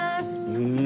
うん。